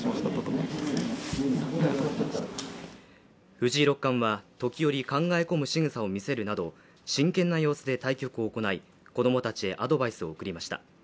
藤井六冠は、時折考え込む仕草を見せるなど、真剣な様子で対局を行い、子供たちへアドバイスを送りました。